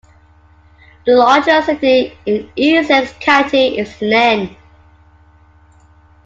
The largest city in Essex County is Lynn.